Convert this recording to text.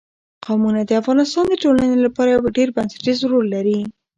قومونه د افغانستان د ټولنې لپاره یو ډېر بنسټيز رول لري.